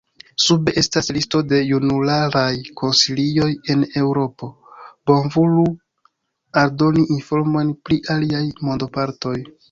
Sube estas listo de junularaj konsilioj en Eŭropo, bonvolu aldoni informojn pri aliaj mondopartoj.